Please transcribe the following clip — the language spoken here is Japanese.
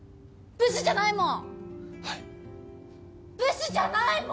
ブスじゃないもん！